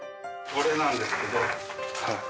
これなんですけど。